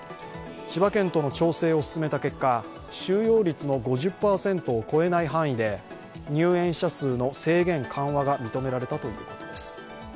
千葉県との調整を進めた結果、収容率の５０％を超えない範囲で入園者数の制限緩和が認められたということです。